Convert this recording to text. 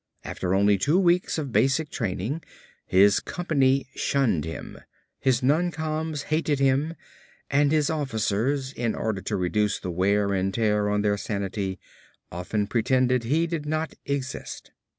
After only two weeks of basic training his company shunned him, his noncoms hated him and his officers, in order to reduce the wear and tear on their sanity often pretended he did not exist.